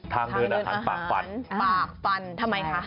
ทางเดินอาหารปากฟันปากฟันทำไมคะ